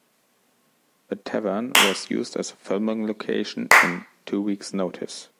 The Tavern was used as a filming location in "Two Weeks Notice".